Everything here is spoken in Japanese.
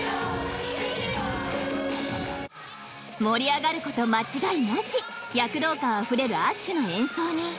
［盛り上がること間違いなし躍動感あふれるアッシュの演奏に］